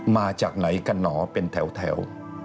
มาจากไหนกันหนอเป็นแถว